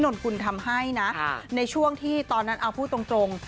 นนกุลทำให้นะในช่วงที่ตอนนั้นเอาพูดตรง